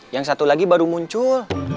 yang satu lagi baru muncul